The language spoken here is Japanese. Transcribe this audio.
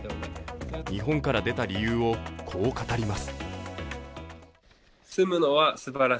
日本から出た理由をこう語ります。